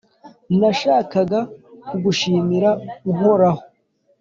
Ndashaka kugushimira, Uhoraho